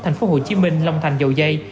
thành phố hồ chí minh long thành dầu dây